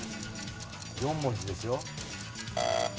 ４文字ですよ。